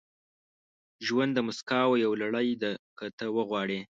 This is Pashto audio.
• ژوند د موسکاو یوه لړۍ ده، که ته وغواړې.